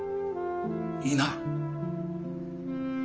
いいな？